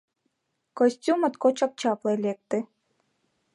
Костюм моткочак чапле лекте.